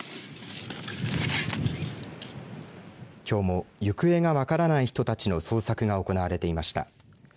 きょうも行方が分からない人たちの捜索が行われていました。